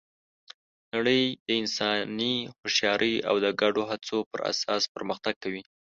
نړۍ د انساني هوښیارۍ او د ګډو هڅو پر اساس پرمختګ کوي.